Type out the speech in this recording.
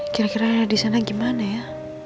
kira kira rera disana gimana ya